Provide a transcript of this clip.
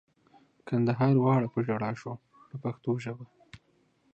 کندهار واړه په ژړا شو په پښتو ژبه.